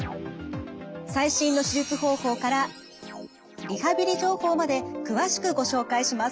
最新の手術方法からリハビリ情報まで詳しくご紹介します。